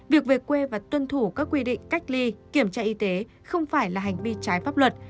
việc về quê và tuân thủ các quy định cách ly kiểm tra y tế không phải là hành vi trái pháp luật